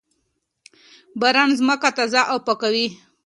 باران ځمکه تازه او پاکه کوي.